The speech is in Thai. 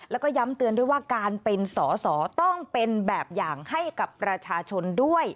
แล้วก็ย้ำเตือนด้วยว่าการเป็นสอสอต้องเป็นแบบอย่างให้กับประชาชนด้วย